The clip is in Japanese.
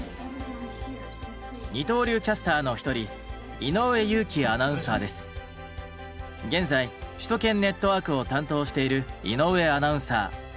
二刀流キャスターの一人現在「首都圏ネットワーク」を担当している井上アナウンサー。